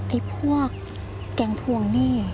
ไอ้พวกแก๊งทวงหนี้